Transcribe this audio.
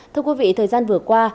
thưa quý vị thời gian vừa qua